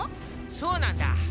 そうなんだ。